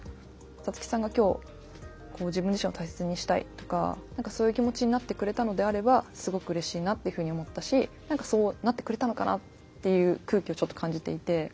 サツキさんが今日こう自分自身を大切にしたいとかそういう気持ちになってくれたのであればすごくうれしいなっていうふうに思ったし何かそうなってくれたのかなっていう空気をちょっと感じていて。